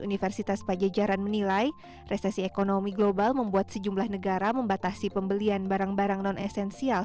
universitas pajajaran menilai resesi ekonomi global membuat sejumlah negara membatasi pembelian barang barang non esensial